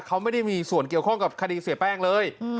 เขาไม่ได้มีส่วนเกี่ยวข้องกับคดีเสียแป้งเลย